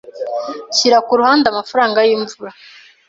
Shyira ku ruhande amafaranga y'imvura.